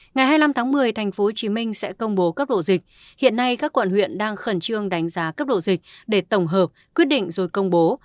ngày hai mươi năm tháng một mươi tp hcm sẽ công bố cấp độ dịch hiện nay các quận huyện đang khẩn trương đánh giá cấp độ dịch để tổng hợp quyết định rồi công bố